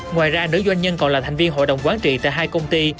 ngoài ra nữ doanh nhân còn là thành viên hội đồng quán trị tại hai công ty